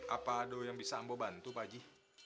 apa do yang bisa ambo bantu pak haji